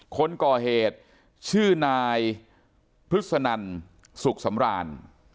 คนก่อเหตุชื่อนายพฤษนันสุขสำราน